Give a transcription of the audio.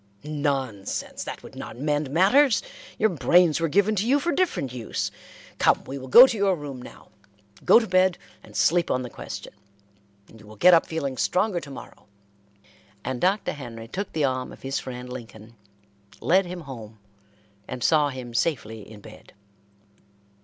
"Nonsense! That would not mend matters. Your brains were given to you for different use. Come, we will go to your room now. Go to bed and sleep on the question, and you will get up feeling stronger to morrow;" and Dr. Henry took the arm of his friend Lincoln, led him home, and saw him safely in bed.